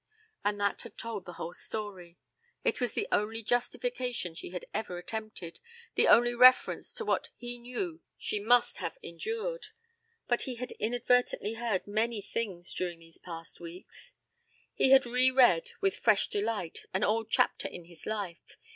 And that had told the whole story. It was the only justification she had ever attempted, the only reference to what he knew she must have endured; but he had inadvertently heard many things during these past weeks. He had re read, with fresh delight, an old chapter in his life.